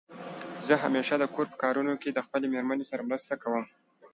زه همېشه دکور په کارونو کې د خپلې مېرمنې سره مرسته کوم.